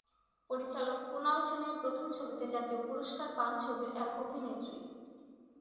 পরিচালক কুনাল সেনের প্রথম ছবিতে জাতীয় পুরস্কার পান ছবির এক অভিনেত্রী।